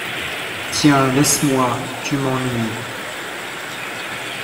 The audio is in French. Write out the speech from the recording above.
Tiens, laisse-moi, tu m’ennuies !